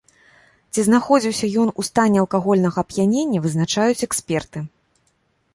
Ці знаходзіўся ён у стане алкагольнага ап'янення, вызначаюць эксперты.